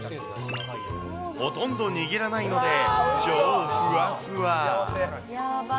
ほとんど握らないので、超ふわふわ。